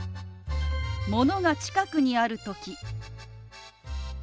ものが近くにある時。